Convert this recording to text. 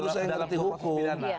justru saya mengerti hukum